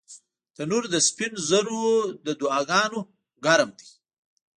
تنور د سپین زرو د دعاګانو ګرم دی